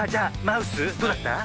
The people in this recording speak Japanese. マウスどうだった？